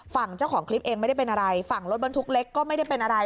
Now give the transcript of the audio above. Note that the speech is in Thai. ฝั่งเจ้าของคลิปเองไม่ได้เป็นอะไรฝั่งรถบรรทุกเล็กก็ไม่ได้เป็นอะไร